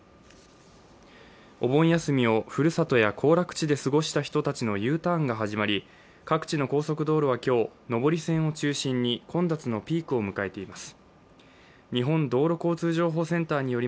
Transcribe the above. お盆休みをふるさとや行楽地で過ごした人たちのＵターンが始まり各地の高速道路は今日上り線を中心に混雑のピークを迎えています